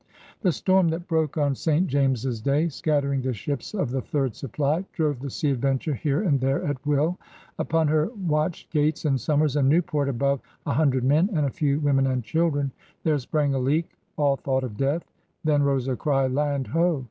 The storm that broke on St. James's Day, scattering the ships of the third supply, drove the Sea Adventure here and there at will. Upon her watched Gates and Somers and Newport, above 66 PIONEERS OF THE OLD SOUTH a hundred men, and a few women and children. There sprang a leak; all thought of death. Then rose a cry ^'Land ho!"